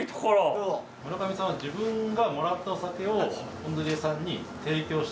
村上さんは自分がもらったお酒を音鶏家さんに提供してる。